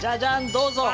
どうぞ。